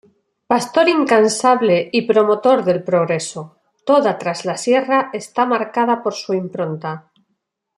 Pastor incansable y Promotor del progreso, toda Traslasierra está marcada por su impronta.